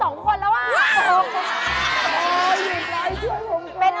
โอ้โฮสวัสดีพี่เพื่อนนะ